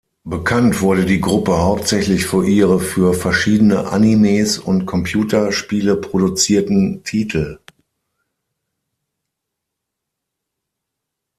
Bekannt wurde die Gruppe hauptsächlich für ihre für verschiedene Animes und Computerspiele produzierten Titel.